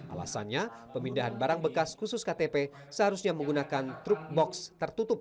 alasannya pemindahan barang bekas khusus ktp seharusnya menggunakan truk box tertutup